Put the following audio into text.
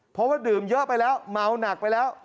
เพราะว่าดื่มเยอะไปแล้วเมาหนักไปแล้ว